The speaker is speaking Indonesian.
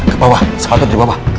ke bawah sepatu di bawah